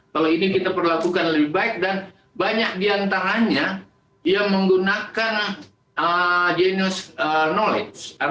kalau ini kita perlu lakukan lebih baik dan banyak diantaranya yang menggunakan jenis pengetahuan